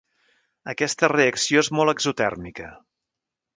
Aquesta reacció és molt exotèrmica.